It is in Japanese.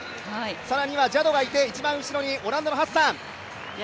更にはジャドもいて一番後ろにオランダのハッサン。